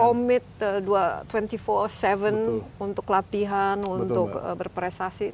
commit dua puluh empat tujuh untuk latihan untuk berprestasi